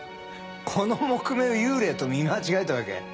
この木目を幽霊と見間違えたわけ？